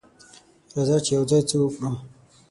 راځه چې یوځای څه وکړو.